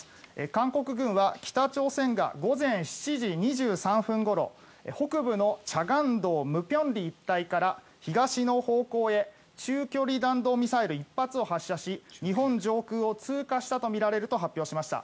韓国軍は北朝鮮が午前７時２３分ごろ北部の慈江道舞坪里一帯から東の方向へ中距離弾道ミサイル１発を発射し日本上空を通過したとみられると発表しました。